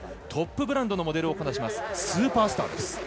トップブランドのモデルもこなすスーパースターです。